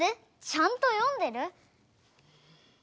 ちゃんと読んでる？